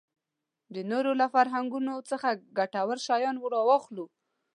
د نورو له فرهنګونو څخه ګټور شیان راواخلو.